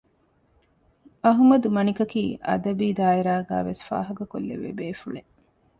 އަޙްމަދު މަނިކަކީ އަދަބީ ދާއިރާގައި ވެސް ފާހަގަ ކޮށްލެވޭ ބޭފުޅެއް